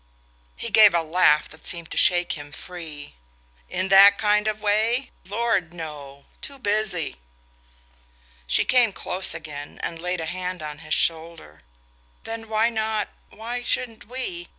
He gave a laugh that seemed to shake him free. "In that kind of way? Lord, no! Too busy!" She came close again and laid a hand on his shoulder. "Then why not why shouldn't we